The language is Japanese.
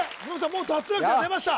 もう脱落者出ました